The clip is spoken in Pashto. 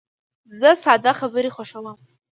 زه ساده خبرې خوښوم.